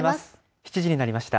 ７時になりました。